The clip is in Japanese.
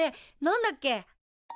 何だっけ？